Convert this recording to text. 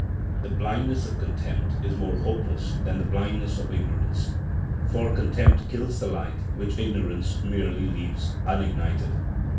The blindness of contempt is more hopeless than the blindness of ignorance; for contempt kills the light which ignorance merely leaves unignited.